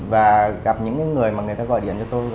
và gặp những người mà người ta gọi điện cho tôi